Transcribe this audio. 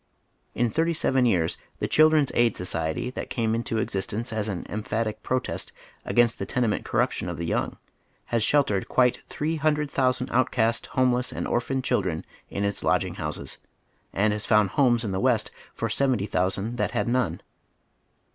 In thirty seven years the Children's Aid Society, that came into existence as an empliatic protest against the tenement corruption of the young, has sheltered quite three Iinndred thousand outcast, homeless, and orphaned children in its lodging houses, and has found homes in the West for seventy thousand that had none.